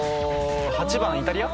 ８番イタリア？